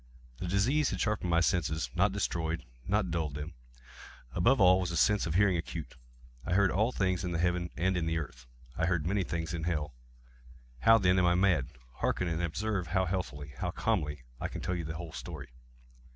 The disease had sharpened my senses—not destroyed—not dulled them. Above all was the sense of hearing acute. I heard all things in the heaven and in the earth. I heard many things in hell. How, then, am I mad? Hearken! and observe how healthily—how calmly I can tell you the whole story.